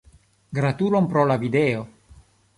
Gratulon pro la video.